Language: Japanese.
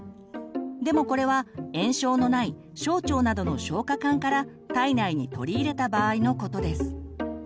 でもこれは炎症のない小腸などの消化管から体内に取り入れた場合のことです。